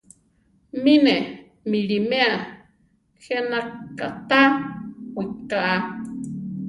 Mi ne miʼliméa je na katá wiʼká.